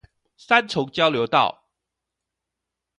三重交流道